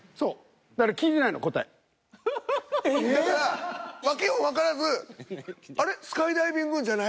だから訳もわからずあれっスカイダイビングじゃない？